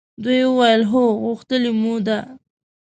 دوی وویل هو! غوښتلې مو ده.